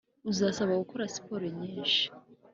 Uzasabwa gukora siporo nyinshi